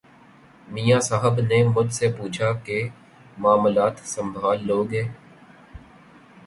میاں صاحب نے مجھ سے پوچھا کہ معاملات سنبھال لو گے۔